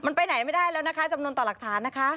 มันไปไหนไม่ได้แล้วนะคะจำนวนต่อหลักฐานนะคะ